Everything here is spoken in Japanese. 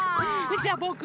じゃあぼくも。